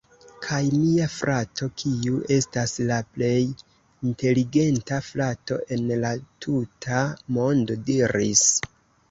Kaj mia frato, kiu estas la plej inteligenta frato en la tuta mondo... diris: